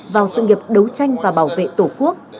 vào sự nghiệp đấu tranh và bảo vệ tổ quốc